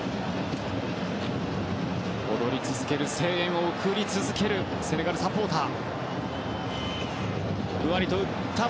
踊り続けて声援を送り続けるセネガルサポーター。